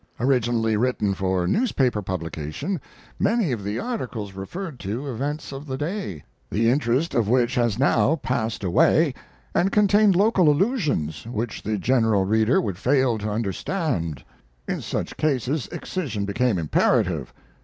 Originally written for newspaper publication, many of the articles referred to events of the day, the interest of which has now passed away, and contained local allusions, which the general reader would fail to understand; in such cases excision became imperative.